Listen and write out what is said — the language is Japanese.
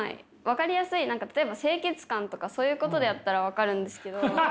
分かりやすい例えば清潔感とかそういうことであったら分かるんですけど。